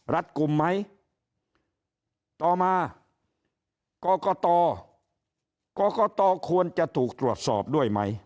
กลุ่มไหมต่อมากรกตกรกตควรจะถูกตรวจสอบด้วยไหม